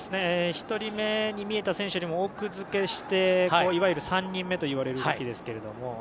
１人目に見えた選手よりも奥付けしていわゆる３人目といわれる動きですけども。